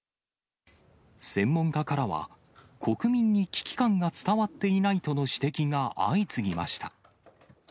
専門家からは、国民に危機感が伝わっていないとの指摘が相次ぎました。